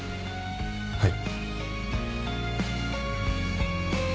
はい。